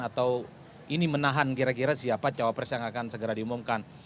atau ini menahan kira kira siapa cawapres yang akan segera diumumkan